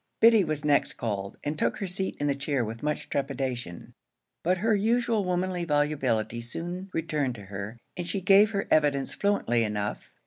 Biddy was next called, and took her seat in the chair with much trepidation; but her usual womanly volubility soon returned to her, and she gave her evidence fluently enough.